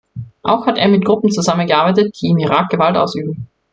Auch hat er mit Gruppen zusammengearbeitet, die im Irak Gewalt ausüben.